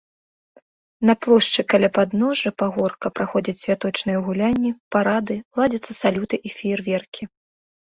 На плошчы каля падножжа пагорка праходзяць святочныя гулянні, парады, ладзяцца салюты і феерверкі.